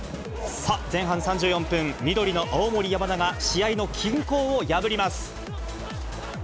さあ、前半３４分、緑の青森山田が、試合の均衡を破ります。